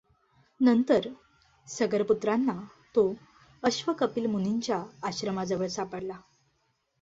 नंतर सगरपुत्रांना तो अश्व कपिलमुनींच्या आश्रमाजवळ सापडला.